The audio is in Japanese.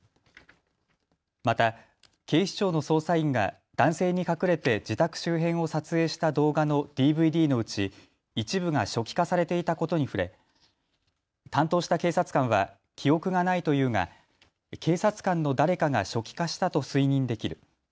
また警視庁の捜査員が男性に隠れて自宅周辺を撮影した動画のＤＶＤのうち、一部が初期化されていたことに触れ担当した警察官は記憶がないと言うが警察官の誰かが初期化したと推認できる。